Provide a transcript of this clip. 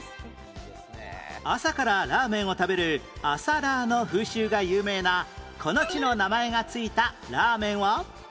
朝からラーメンを食べる朝ラーの風習が有名なこの地の名前が付いたラーメンは？